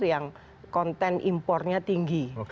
yang konten impornya tinggi